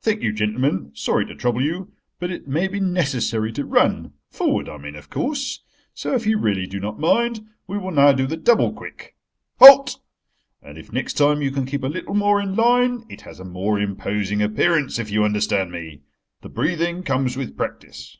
Thank you, gentlemen. Sorry to trouble you, but it may be necessary to run—forward I mean, of course.. So if you really do not mind, we will now do the double quick. Halt! And if next time you can keep a little more in line—it has a more imposing appearance, if you understand me. The breathing comes with practice."